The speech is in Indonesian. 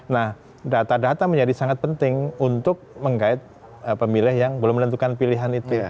nah data data menjadi sangat penting untuk menggait pemilih yang belum menentukan pilihan itu